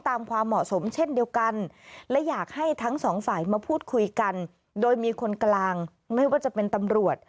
ความเหมาะสมเช่นเดียวกันและอยากให้ทั้งสองฝ่ายมาพูดคุยกันโดยมีคนกลางไม่ว่าจะเป็นตำรวจ